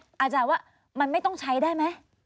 อาจารย์ว่ามันไม่ต้องใช้ได้ไหม